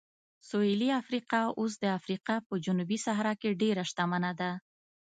سویلي افریقا اوس د افریقا په جنوبي صحرا کې ډېره شتمنه ده.